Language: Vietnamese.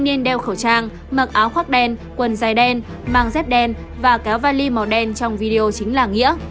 nàng mặc áo khoác đen quần dài đen mang dép đen và kéo vali màu đen trong video chính là nghĩa